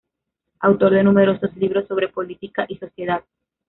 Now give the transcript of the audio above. Autor de numerosos libros sobre política y sociedad.